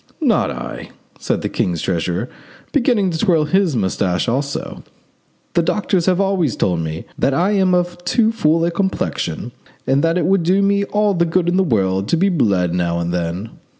"Not I," said the king's treasurer, beginning to twirl his moustache also: "the doctors have always told me that I am of too full a complexion and that it would do me all the good in the world to be bled now and then.